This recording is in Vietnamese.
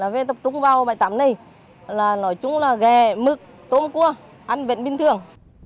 về tập trung vào bãi tắm này nói chung là ghè mực tôm cua ăn biển bình thường